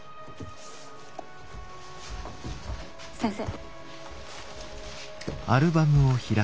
先生。